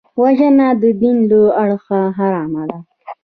وژنه د دین له اړخه حرامه ده